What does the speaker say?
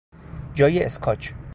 جای اسکاچ